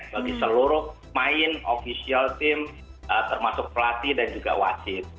bagi seluruh main ofisial tim termasuk pelatih dan juga wasit